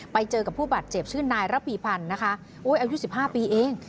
ไปเจอกับผู้บาดเจ็บชื่อนายระปีพันธ์นะคะโอ๊ยอายุ๑๕ปีเอง